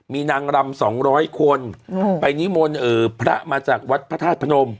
มีนางรำ๒๐๐คนไปนิมนต์พระมาจากวัดพระธาตุพนม